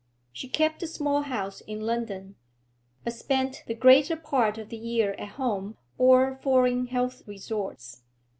She kept a small house in London, but spent the greater part of the year at home or foreign health resorts.